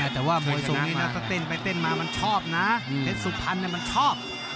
แต่ว่ามวยสูงนี้นะถ้าเต้นไปเต้นมามันชอบนะเต้นสุภัณฑ์เนี่ยมันชอบ